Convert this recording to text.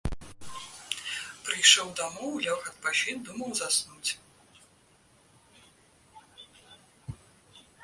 Прыйшоў дамоў, лёг адпачыць, думаў заснуць.